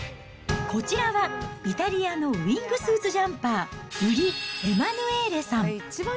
こちらはイタリアのウイングスーツ・ジャンパー、ウリ・エマヌエーレさん。